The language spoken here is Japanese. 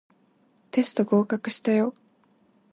テスト合格したよ